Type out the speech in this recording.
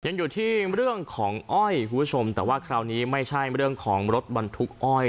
ยังอยู่ที่เรื่องของอ้อยคุณผู้ชมแต่ว่าคราวนี้ไม่ใช่เรื่องของรถบรรทุกอ้อย